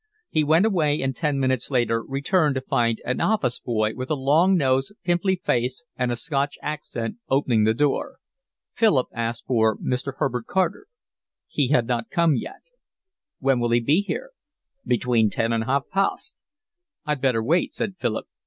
He went away and ten minutes later returned to find an office boy, with a long nose, pimply face, and a Scotch accent, opening the door. Philip asked for Mr. Herbert Carter. He had not come yet. "When will he be here?" "Between ten and half past." "I'd better wait," said Philip.